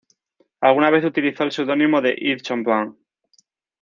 Algunas veces utilizó el seudónimo de Yves Champlain.